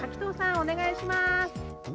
お願いします。